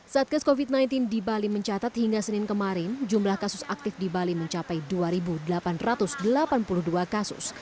satgas covid sembilan belas di bali mencatat hingga senin kemarin jumlah kasus aktif di bali mencapai dua delapan ratus delapan puluh dua kasus